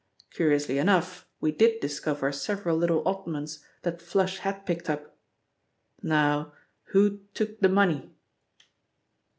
Curiously enough, we did discover several little oddments that 'Flush' had picked up now, who took the money?"